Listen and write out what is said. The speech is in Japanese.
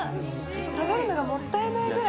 食べるのがもったいないくらい。